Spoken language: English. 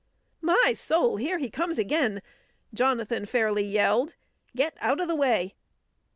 "My soul! Here he comes again!" Jonathan fairly yelled. "Get out o' the way!"